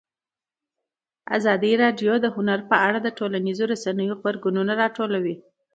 ازادي راډیو د هنر په اړه د ټولنیزو رسنیو غبرګونونه راټول کړي.